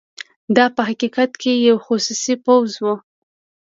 دا په حقیقت کې یو خصوصي پوځ وو.